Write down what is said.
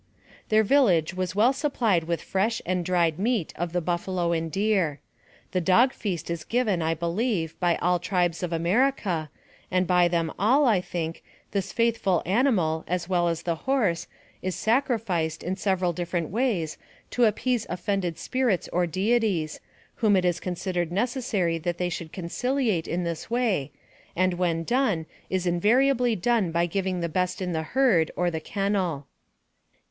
Their village was well supplied with fresh and dried meat of the buffalo and deer. The dog feast is given, I believe, by all tribes of America, and by them all, AMONG THE SIOUX INDIANS. 91 I tli ink, this faithful animal, as well as the horse, is sacrificed, in several different ways, to appease offended spirits or deities, whom it is considered necessary that they should conciliate in this way, and when done, is invariably done by giving the best in the herd or the kennel.